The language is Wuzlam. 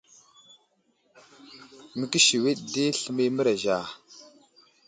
Məkəsewiɗ di sləmay i mərez Ja.